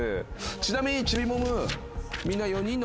ちなみにちびボム。